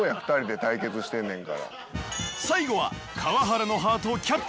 最後は。